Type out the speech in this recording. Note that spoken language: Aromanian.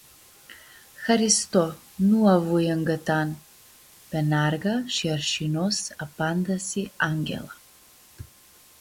-Haristo, nu avui ãngãtan, - penarga shi arshinos apandasi Anghela.